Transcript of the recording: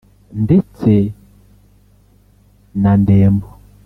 ndetse na ndembo